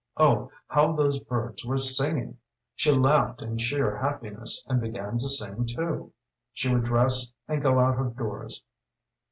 Oh, how those birds were singing! She laughed in sheer happiness, and began to sing too. She would dress and go out of doors.